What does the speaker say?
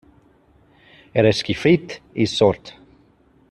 Era esquifit i sord.